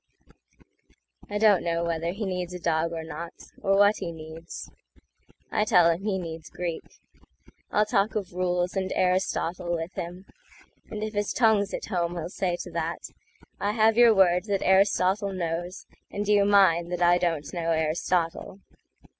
I don't know whether he needs a dog or not—Or what he needs. I tell him he needs Greek; I'll talk of rules and Aristotle with him, And if his tongue's at home he'll say to that,"I have your word that Aristotle knows, And you mine that I don't know Aristotle."